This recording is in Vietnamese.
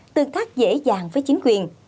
tương tác dễ dàng với chính quyền